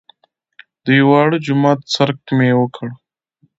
د یوه واړه جومات څرک مې وکړ.